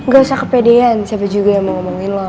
gak usah kepedean siapa juga yang mau ngomongin loh